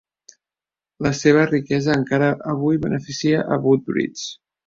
La seva riquesa encara avui beneficia a Woodbridge.